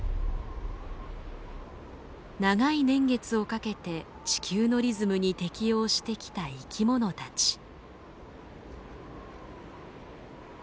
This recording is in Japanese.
長い年月をかけて地球のリズムに適応してきた生き物たち。